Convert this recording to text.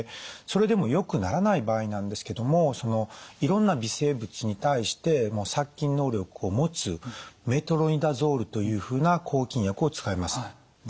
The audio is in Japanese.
それでもよくならない場合なんですけどもいろんな微生物に対して殺菌能力を持つメトロニダゾールというふうな抗菌薬を使います。